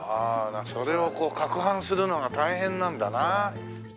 それをこう攪拌するのが大変なんだな。